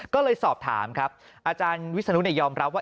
ก็เลยสอบถามครับอาจารย์วิศนุยอมรับว่า